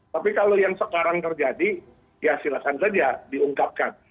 tapi kalau yang sekarang terjadi ya silakan saja diungkapkan